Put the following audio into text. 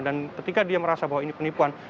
dan ketika dia merasa bahwa ini penipuan